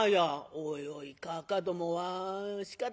「おいおいかあかどもはしかたがないな」。